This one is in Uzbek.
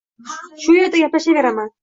Shu erda gaplashaveraman